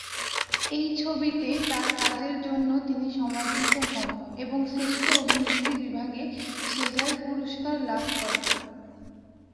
এই ছবিতে তার কাজের জন্য তিনি সমাদৃত হন এবং শ্রেষ্ঠ অভিনেত্রী বিভাগে সেজার পুরস্কার লাভ করেন।